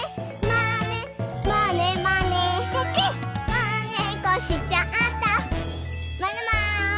「まねっこしちゃったまねまねぽん！」